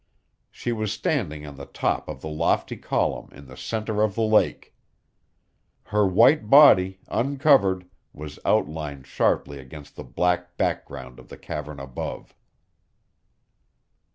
She was standing on the top of the lofty column in the center of the lake. Her white body, uncovered, was outlined sharply against the black background of the cavern above.